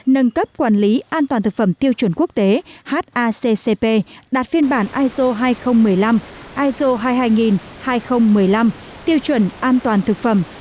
nâng cấp quản lý an toàn thực phẩm tiêu chuẩn quốc tế haccp đạt phiên bản iso hai nghìn một mươi năm iso hai mươi hai nghìn một mươi năm tiêu chuẩn an toàn thực phẩm